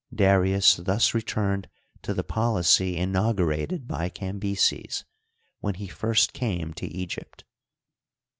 Darius thus returned to the policy inaugurated by Cambyses when he first came to Egypt.